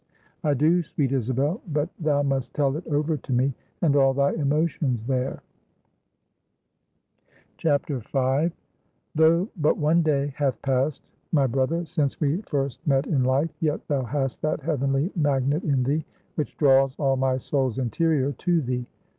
"I do, sweet Isabel, but thou must tell it over to me; and all thy emotions there." V. "Though but one day hath passed, my brother, since we first met in life, yet thou hast that heavenly magnet in thee, which draws all my soul's interior to thee.